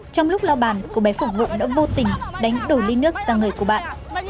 trong lúc lo bàn cô bé phục vụ đã vô tình đánh đổ ly nước ra người của bạn